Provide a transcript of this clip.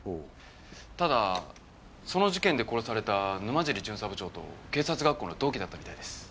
ただその事件で殺された沼尻巡査部長と警察学校の同期だったみたいです。